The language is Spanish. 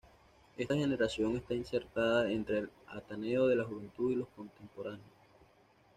Esta generación está insertada entre el Ateneo de la Juventud y Los Contemporáneos.